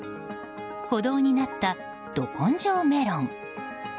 歩道になった、ど根性メロン。